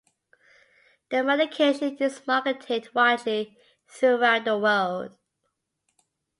The medication is marketed widely throughout the world.